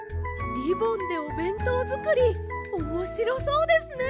リボンでおべんとうづくりおもしろそうですね！